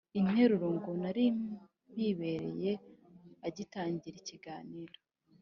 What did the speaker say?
interuro ngo «nari mpibereye». agitangira ikiganiro,